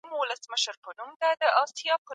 پوهان د سياسي قدرت لاسته راوړل لولي.